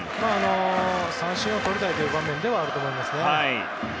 三振をとりたいという場面ではあると思います。